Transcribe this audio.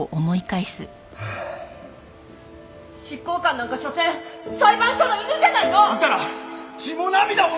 執行官なんかしょせん裁判所の犬じゃないの！あんたら血も涙もないのか！